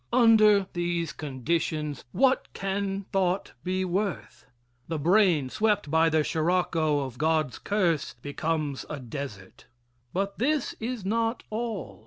Under these conditions what can thought be worth? The brain, swept by the sirocco of God's curse, becomes a desert. But this is not all.